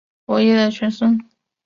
伯益的玄孙。